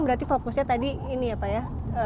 berarti fokusnya tadi ini ya pak ya